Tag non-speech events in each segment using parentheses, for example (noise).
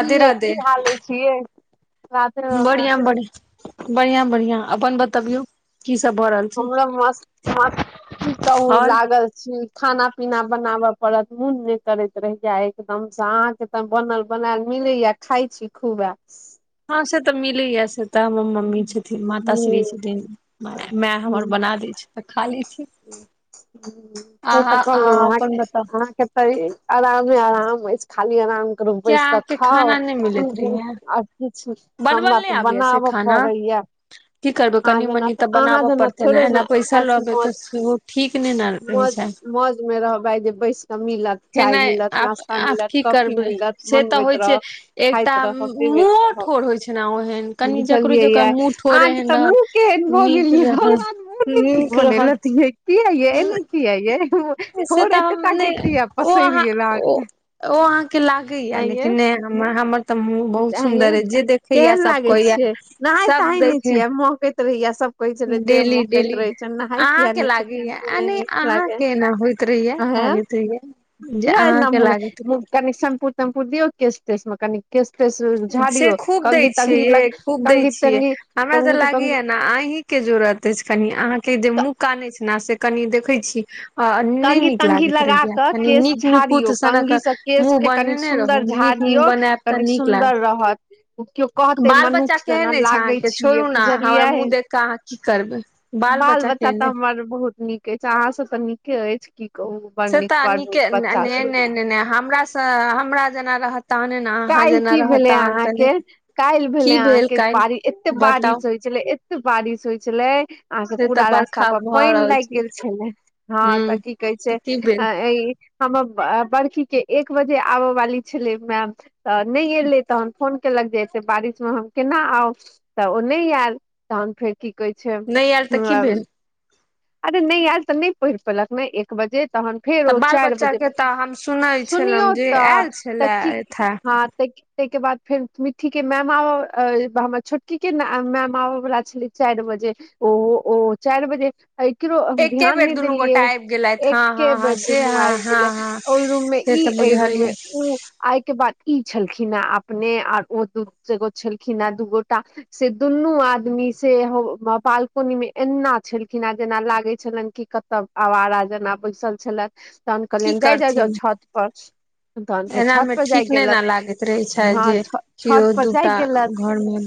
की यै की हाल अछि ये? बढ़िआँ बढ़ि बढ़िआँ बढ़िआँ अपन बतबियौ। हमरा मस् की कहू लागल छी खाना पीना बनाब पड़त मोन नहि करैत रहैया एकदम से अहाँ के त बनल बनायल मियैया खा छी खूब। से त मिलैए से तऽ हमर मम्मी छथिन माताश्री छथिन माय हमर बना दे छैय तऽ खालै तै तऽ कहलौ अहाँके त आरमे अराम अराय अइछ खाली आराम कर बैस क खाउ पीबु आ हमरा तऽ बनाबऽ पड़ैया। आह जाना तऽ अहाँ जाना थोड़े ऐस मौज मौज मौज मे रहबै जे बैस के मिलत चाय मिलत नाश्ता मिलत कॉफी मिलत बनबै अक्ट मुंह ठोर होय छैय न ओहन कनी जाकरो जका तऽ मुँह केहन भऽ गेलियै भगवान मुँह न नीक बनेलथि यै किया ये ए ना किया ये थोर एते ताक किया पसैर गेल अहाँके? ओ अहाँके लागैया लेकिन नहि हम हमर आयै केहन लागै छियै नहाय तहाय नहि छियै महकैत रहैया सब कहै छैलै देह महकैत रहै छैय नहाय किया न छैय नहि नीक लागे। अहे किया एन मु कनेशेंपू (unintelligible) से खूब दै छियै ये खूब दै छियै हमरा त लागैया ने अहीं के के जरूरत अछि कनि अहाँके जे मुँह कान आइछ ना से कनि देखै छी आ नहि नीक लागैत रहैया कनी नीक नपुत सनक मुह बनेने रहौ नीक मुंह बनैब त नीक लाग ओ केओ कहतै मनुख जेना लागै छियै बुझलियै। बाल बच्चा तऽ हमर बहुत नीक अइछ अहाँ से तऽ नीके अइछ की से तऽ नीके नहि नहि नहि हमरँ सँ हमरा जेना रह काइल की भेलै अहाँके काइल भेलै अहाँके बारिश एते बारिश होइ छलै बारिश होइ छलै। अहाँके पूरा रास्ता पर पाइन लाइग गेल छलै हँ तऽ की कहै छैय अँ अँ इ हम बर्खी के एक बजे आबऽ वाली छलै मैम तऽ नहि एलै तहन फोन केलक जेे बारिशमे हम केना आउ तऽ ओ नहि आयल तहन फेर की कहै छैय ह अरे नहि आयल तऽ नहि पहिर पेलक नहि एक बजे तहन फेर ओ चाइर बजे पर सुनियौ तऽ तऽ की हँ तऽ ताहि के बाद फेर मिट्ठी के मैम आब हमर छोटकी के मैम आबऽ वाला छले चाइर बजे जे ओहो ओ चाइर बजे एकरो हम ध्यान नहि देलियै एके बेडरूम उ आइब गेलै ओइ रूम में इ ई एहि रूम मे ओ आय के बाद ई छलखिन हे अपने आर ओ दूगो छलखिन हे दू गोटा से दुनू आदमी से हो पालकोनीमे एना छैय किना जेना लागै छलैन कि कतब आवारा जेना बैसल छलै तन कलियैन जाय जाइ जाउ छत पर। तहन फेर छत पर जाइ गेलत हँ छत पर जाइ गेलत।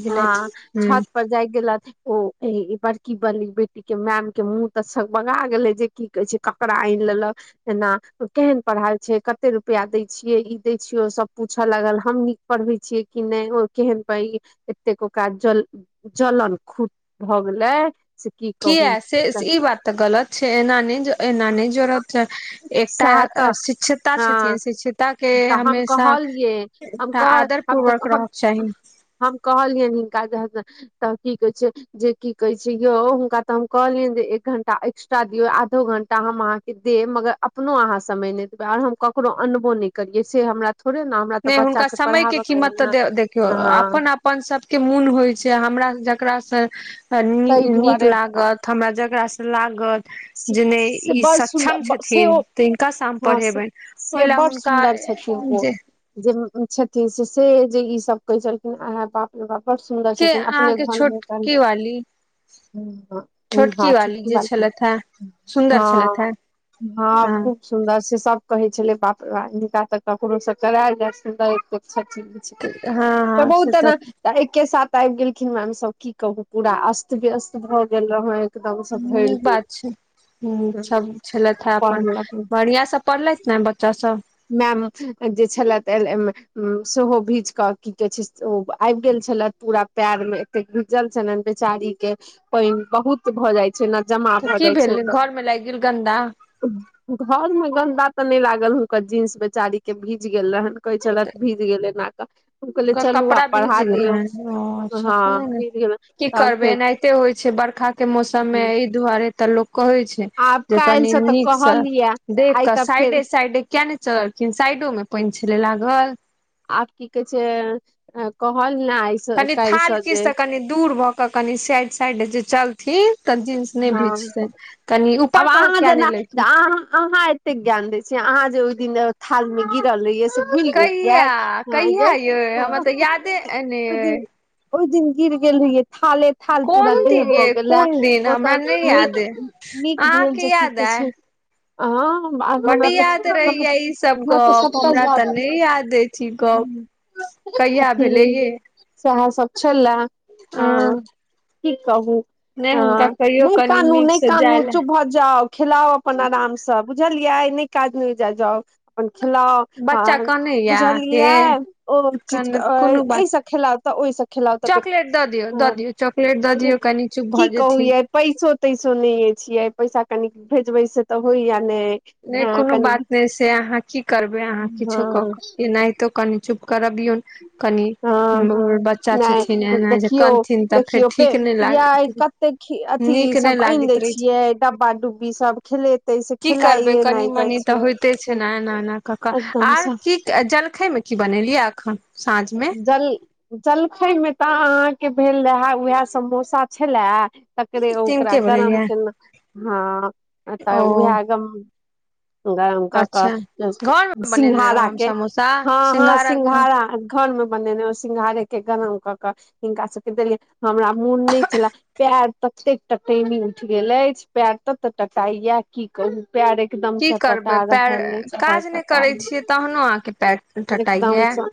हँ छत पर जाइ गेलथि ओ बड़की बाली बेटी के मैम के मुंह तऽ सगवगा गेले जे की कहे छैय ककरा आइन लेलक एना केहन पढ़ा कते रुपआ दै छियै ई दै छियै सब पूछ लल हम नीक पढ़बै छियै कि नहि एहन पै एतौके काज ज जलन खूट भऽ गेलै। कीया से ई बात तऽ गलत छैय एना नहि एना नहि जरत चा एकटा शिक्षिता छथिन शिक्षिता के हमेशा आदर पूर्वक रहक चाही। हम कहलियैन कागहग तऽ की कहे छैय जे की कहे छैय यौ हुनका तऽ हम कहलियैन जे एक घंटा एक दियऔ आधो घंटा हम अहाँके देब मगर अपनो अहाँ समय नहि देबै आर हम ककरो अनबो नहि करियै से हमरा नहि हुनका समयके कीमत तऽ देखियौ अपन अपन सबके मोन होइ छैय हमरा ज ओकरा से नी नीक लागत हमरा जेकरा से लागत जे नहि ई सक्षम छथिन तऽ हिनकासँ हम पढ़ेबनि ओहि लेल हुनका छथिन ओ जे छथिन से से जे ई सब कहै छलखिन आहाँ बाप रे बाप बड सुन्दर छथिन अपने घरमे कन ह उँ हा छोटकी बाल्टी हँ हँ खूब सुन्दर छैय। सभ कहै छलै बाप रौ बाप हिनका तऽ ककरोसँ करायल जाइ छलै। बहुते न त एकके साथ आबि गेलखिन मैम सब की कहू पूरा अस्त व्यस्त भए गेल रहउ त आहूँ सब भैर दियाउ ह सब छलैथ हे अपन बढ़िया से पढ़लथि ने बच्चा सब? मैम जे छल सेहो भीज कऽ की कहै छैय से ओ आबि गेल छल पूरा पैर में एते भिजल छलनि बेचारी के पाइन बहुत भऽ जाय छैय ने जमा भऽ जाइ छैय तऽ घर में गन्दा तऽ नहि लागल हुनकर जींस बेचारी के भीज गेल रहन कहइ छलैथ भीज गेलै न कऽ हम कहलियय चलू आ पढ़ा दियौ हँ की करबै एनाहिते होइ छैय बरषा के मौसम मे एहि दुआरे कहै छैई जे कनी नीक से देख कऽ साइडे साइडे किया नहि चललखिन साइडो मे पाइन छलै लागल? आब की कहै छैय कहल कनि थालकीज से कनि दूर भऽ कऽ कनि साइड साइड जे चलथिन तऽ जींस नहि भीचतेन कनि ऊपर पर क क किया नहि लेलखिन? कतेक ज्ञान दैछियै अहाँ जे ओहि दिन थाल मे गिरल रहहिय स भुइल गेलियय हा यै ओइदिन ओहि दिन गिर गेल रहिय थाले थाल पूरा देह भऽ गेल रेह ओतऽ नीक नीक भेल जे की कहइ छैय ह हमरा तऽ सब टा याद ठीक सस (unintelligible) सब छले ह की कहउ नहि हुनका नहि कानू नहि कानू चुप भ जाउ खिलाउ अपन आरामसँ बुझलिय नहि कानइ जा जाउ अपन खेलाउ आ बुझलिय ओ चीज एहिसँ खेलाउ तऽ ओ खेलाउ तऽ ह की कहू य पैसा पैसो तैसो नहिे अछि यइ पैसा कनिक भेजबे से तऽ होइया नहि कोनो बात नहि से अहाँ की करबै अहाँ किछो कऽ क केनाहितो कनि करबियो कनि बच्चा छथिन एना जे कनथिन तब फेर ठीक नै लाग याइ कत्ते अथी सब आनि दैय छिये डब्बा डुब्बी सब खेलेतै से खेले करबे कनि मनी तऽ होइते छैय ने एना एना क क आर की जलखै में की बनेलिये य अखन जल जलखइ मे तऽ अहाँके भेल रहए उएह समोसा छलए तकरे ओकरा गरम केलहु हँ तऽ उएहम गरम कऽ कऽ सिंघारा के हँ हँ सिंघारा घरमे बनेने सिंंघारे के गरम कऽ के हिनका सबके देलियइ हमरा मोन नहि छले पैर ततेक टटैनी उठि गेल अछि पैर तत टटाई या की कहू पेर एकदमसँ तटा रहल अछि बर तटा रहल एकदमसँ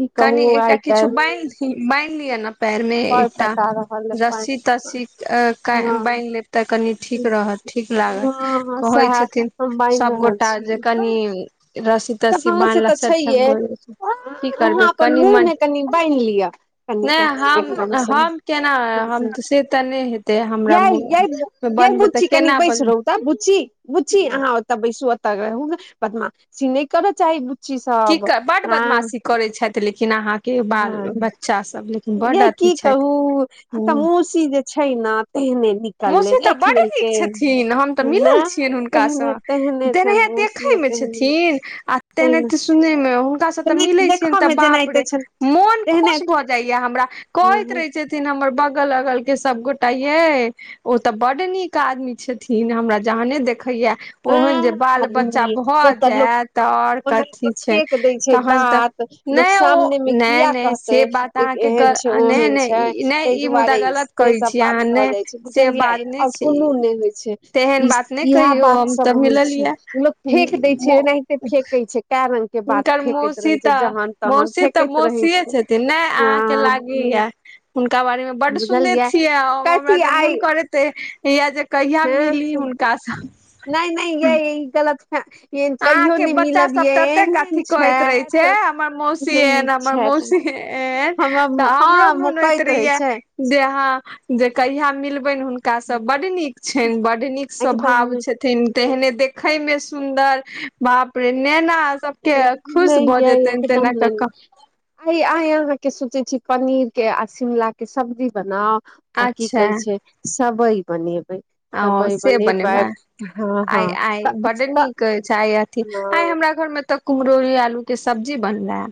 हठ (inaudible) कनि एकटा किछु बाइन्ध बाइन लिय ने पैर में एकटा रस्सी तस्सी अ बान्हि लेब तऽ कनि ठीक रहत ठीक लागत कहै छथिन सभगोटा जे कनि रसी तसी ब्ला स ठक बोल छै ठीक करब कनि म नहि हम केना हम से तऽ नहि हेतै हमरा बनबै तऽ केना बब ओऽ बैसू ओतऽ रहू ने बदमा सी नहि करऽ चाहे की बड बदमाशी करैत छथि लेकिन अहाँके बाल बच्चासभ लेकिन यह की कहू एक तऽ मौसी जे छै ने मौसी तऽ बड नीक छथिन हम तऽ मिलल छियनि हुनकासँ देखे मे छथिन आ तेनाते सुनैमे हुनका सभ तऽ मिलै छियनि तऽ बाप रे मन खुश भऽ जाइ य हमरा कहैत रहे छथिन हमर बगल अगल के सबगोटा ये ओ तऽ बडड नीक आदमी छथिन हमरा जहने देख देखैया ओहन जे बाल बच्चा भऽ जायत आओर कथी छै तहन त नै ओ नै नै से बात आह के गलत ह नै नै इ नै उत गलत कहै छी अहाँ ने से बात ने छै तहन बात नहि कहियो सब होइ छै लोकोग फेेक दै छै एनाहिते फेेकै छै कारण हुनकर मौसी तऽ मौसी तऽ मौसीए छथिन नहि अहाँके लागैया हुनका बारेमे बड सुननेे छियै हमरा तऽ मोन करेते जे कहिया मिली हुनकाँ नहि नहि य गलत कहियो नहि मिलब ये एहन छथि नहि नीक छथि मौशी ए तऽ हमरो मोन होइत रहिये जे अहा जे कहिया मिलबनि हुनकासँ बड नीक छनि बड नीक स्वभाव छथिन तेहने देखे मे सुन्दर बाप रे नेना नहिदम नहि आइ आइ अहाँ के सोचै छी पनीर के आ शिमला के सब्जी बनाउ आ की कहै छै सबबै ब ओ से बने बा आइ आ ब्ड नीक छैायथ हमरा घर में तऽ कुम्रुरोरी आलू के सब्जी बनले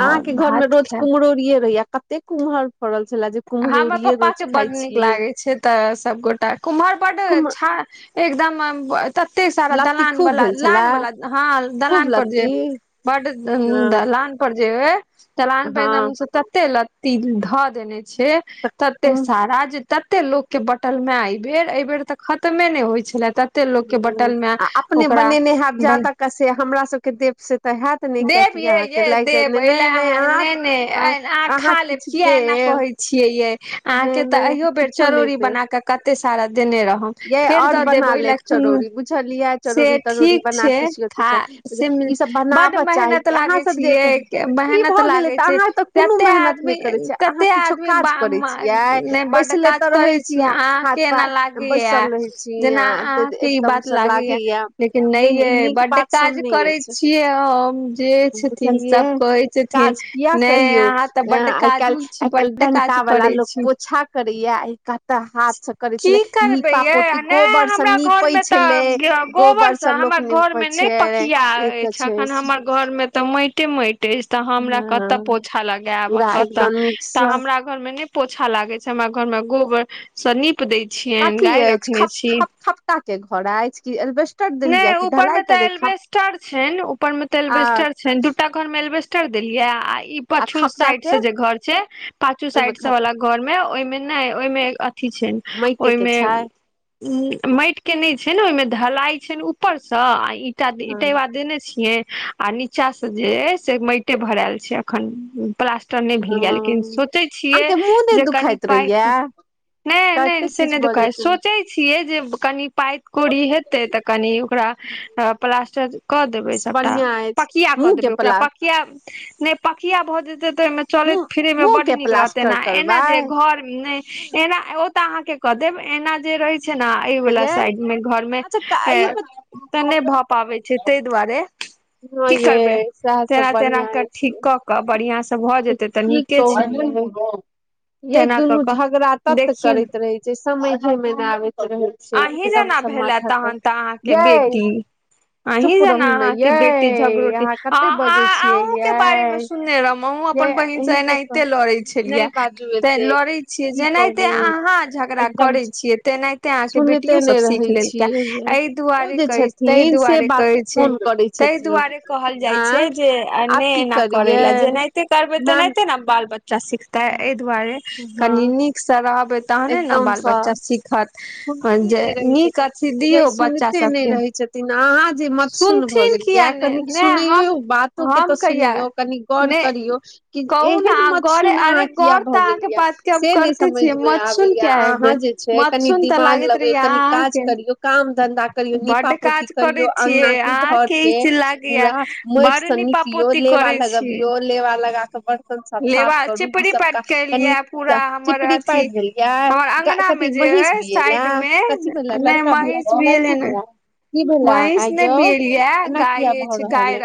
अहाँके घर मे रोज कुम्हरोरए रहहिय कते कुम्हर हमर पापा के बड्ड नीक लागैत छै तऽ सभगोटा कुम्हर बड्ड छै एकदम ततेक सारा दलान वाल लान बाला हँ दलान पर जे बड दलानप जे दलान बैद से तते लत्ती धऽ देने छै तते सारा जे तते लोकके बँटल मे एहिबर एहिबर तऽ खतमे ने होइत छले तत आ अपने बनेने हत जााद क से हमरा सबके देव से तऽ हत ने कियकि अहाँके लागि जायत नहि अह अहाँ किछु देब छिय अ त अयो बेर चरौ बना कते सारा देने रह फेर बना लेब चरौड़री बुझलियै चरौड़ी तरौी बनाेिय ई सब आवके के चाही आह सब केकि भ गैली त अहा एत कोनो मेहनत नहीं करई छै किछो काज करे छियै बैसले ते रहे छीिय हाथ पथ बैसल रहे छीिय एकदमसँ लागैया नहि ई नीक बात सब नहि अछि बुझलियै काज कििया करियौ अ आइ काल्हि डंटा वाला लोग पोछा करे या कते हाथ से करे छले नीपा पोट गोबर से नीपे छलै गोबर से लोक नीपे छै एक खन हमर घर में तऽ माटे माटि तेज तऽ हमरा कतऽ पोछा लगायब कतऽ तऽ हमरा घर मे ने पोछा लागै छै हमरा घरमे गोबरसँ नीप दै छियैनि गाय रखने छी के घर अछि एलवेस नहि ऊपरमे तऽ एलबेस्टर छै ऊपर मे तऽ एलबेस्टर छ दूटा घरमे एलबेस्ट कर देलियै आ ई पाछू साइड से जे घर छै पाछू साइड से वाला घर में ओहिमे नहि ओहिमे अथी छै ओहिमे उ माटि के नहि छै ने ओहिमे ढलाई छै ऊपर से आ चादी ईटेवा देने छियै आ नीचा से जे अइ से माइटे भराल छै अखन प्लास्टर नहि भेल यए लेकिन सोचै छियै जे कनि पाइ नहि नहि से नहि दुखाइ सोचै छियै जे कनि पाइ कोड़ी हेतै कनि ओकरा प्लास्टर कऽ देबै सबटा पकिया कऽ देबै ओकरा पकिया नहि पकिया भऽजेत चलैत फिरै मे बड नीक रहते न एना जे घर एना तऽ अहाँके क देब एना जे रहै छै न एहि वला साइड मे घर मे तऽ नहि भऽ पाबै छै ताहि दुआरे की करबै तेना तेना कऽ ठीक कऽ कऽ बढ़िआं से भऽ जेतै तऽ नीके छै ह यै दुनू झगड़ा तत करैत रहे छै समयझे मे नहि आबैत रहे छै एकदम सब माथाक तऽ अहाँ के बेटी अही जेना अहाँ के बेटी झगरोटी अँ अँ आहुँ के बारे मे सुनने रहुं आहुँ अपन बहिन से एनाहिते लड़ै छलियै तऽ लड़े छियै जेनाहिते अहाँ झगड़ा करै छियै तेनाहिते ते अहाँके बेटियो सब सीख लेलकै एहि दुआरे कहै ताहि दुआरे कहै छै ताहि दुआरे कहल जाय छै जे ने एना करे ले जेनाहिते करबे तेनाहिते ने बाल बच्चा सिखते एहि दुआरे कनी नीक से रहबे तहने न बाल बच्चा सिखत सुनते नै रहै छथिन जे सुनिते नहि रहै छथिन अहाँ जे मतसुन भऽ गेल इएह कनिक सुनैयो बातो के त सुनियौ कनि गौर करियौ कि एहन मतसुन अहाँ किया भऽ गेलियै से नै समझ मे आबैया अहाँ जे छै कनि दिमाग लगबै कनि काज करियौ काम धंधा करियो नीपा पोती करियऔ अंगना के घर के पूरा माटि से निपियो लेबा लगबिओ लेबा लगा बर्तन सब साफ करू ई सब का कनि चिपरी पारि देलियै क कथी महीष बि येला कथि भेल या लड़का भेल या कि लड़की भेलया की भेला आ यो एना किया भऽ रहल यै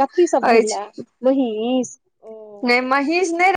कथी सब भेला महीष नहि महीष नहि